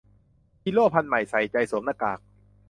ฮีโร่พันธุ์ใหม่ ใส่ใจสวมหน้ากาก